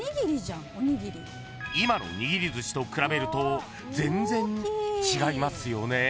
［今のにぎりずしと比べると全然違いますよね］